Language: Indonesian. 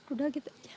udah gitu aja